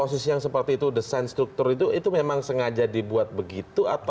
nah bu itu posisi yang seperti itu desain struktur itu itu memang sengaja dibuat begitu